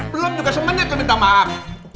belum juga semenit lo minta maaf